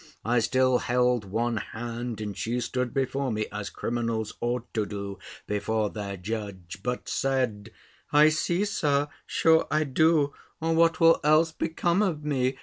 I still held one hand, and she stood before me, as criminals ought to do before their judge, but said, "I see, Sir, sure I do, or what will else become of me!